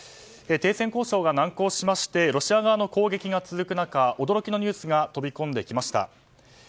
停戦交渉が難航しましてロシア側の攻撃が続く中驚きのニュースが飛び込んできました。